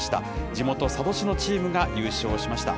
地元、佐渡市のチームが優勝しました。